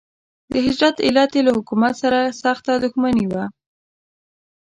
د هجرت علت یې له حکومت سره سخته دښمني وه.